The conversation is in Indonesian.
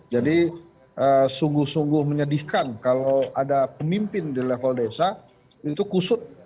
jadi sungguh sungguh menyedihkan kalau ada pemimpin di level desa itu kusut